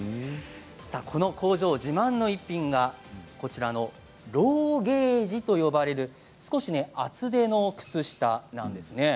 この工場、自慢の逸品がローゲージと呼ばれる少し厚手の靴下なんです。